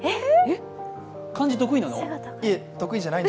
漢字得意なの？